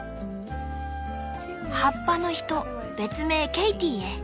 「葉っぱの人別名ケイティへ」。